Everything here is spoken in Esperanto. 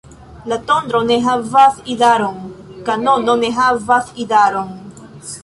La tondro ne havas idaron; kanono ne havas idaron.